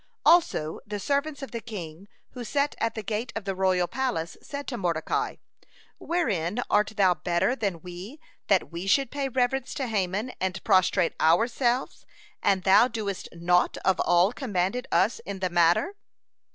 (101) Also the servants of the king who sat at the gate of the royal palace said to Mordecai: "Wherein art thou better than we, that we should pay reverence to Haman and prostrate ourselves, and thou doest naught of all commanded us in the matter?"